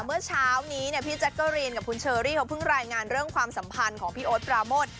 เมื่อเช้านี้เนี่ยพี่แจ๊กเกอรีนกับคุณเชอรี่เขาเพิ่งรายงานเรื่องความสัมพันธ์ของพี่โอ๊ตปราโมท